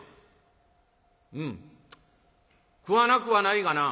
「うん食わなくはないがな」。